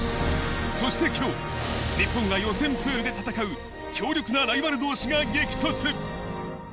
そしてきょう日本が予選プールで戦う強力なライバル同士が激突。